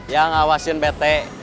yang ngawasin bete